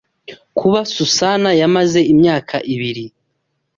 Kuba Susana yamaze imyaka ibiri